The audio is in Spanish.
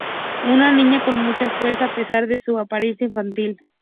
Una niña con mucha fuerza a pesar de su apariencia infantil.